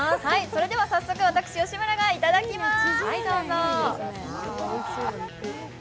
それでは早速、吉村がいただきます。